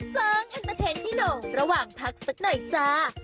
เซิงแอนเตอร์เทนที่โหลระหว่างพักสักหน่อยจ้า